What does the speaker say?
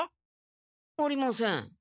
ありません。